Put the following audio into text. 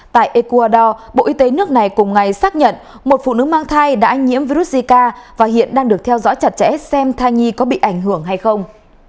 tại ecuador bộ y tế nước này cùng ngày xác nhận một phụ nữ mang thai đã nhiễm virus zika và hiện đang được theo dõi chặt chẽ xem thai nhi có bị ảnh hưởng hay không